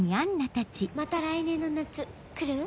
また来年の夏来る？